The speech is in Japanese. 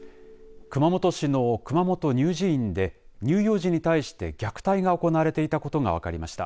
熊本市の熊本乳児院で乳幼児に対して虐待が行われていたことが分かりました。